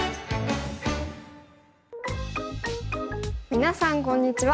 皆さんこんにちは。